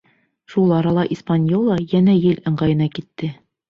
Шул арала «Испаньола» йәнә ел ыңғайына ките.